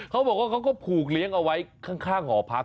เขาบอกว่าเขาก็ผูกเลี้ยงเอาไว้ข้างหอพัก